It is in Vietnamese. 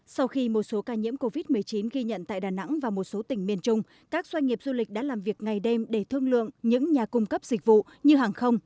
sau khi một số ca nhiễm covid một mươi chín ghi nhận tại đà nẵng và một số tỉnh miền trung các doanh nghiệp du lịch đã làm việc ngày đêm để thương lượng những nhà cung cấp dịch vụ như hàng không